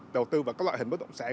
đầu tư vào các loại hình bất động sản